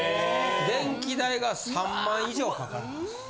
・電気代が３万以上かかるんです。